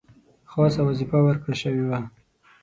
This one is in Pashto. خاصه وظیفه ورکړه شوې وه.